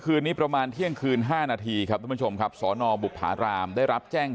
คืนนี้ประมาณเที่ยงคืน๕นาทีครับทุกผู้ชมครับสนบุภารามได้รับแจ้ง